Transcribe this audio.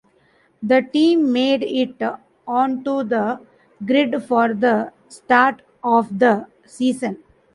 The team made it onto the grid for the start of the season.